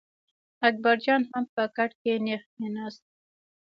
اکبر جان هم په کټ کې نېغ کېناست.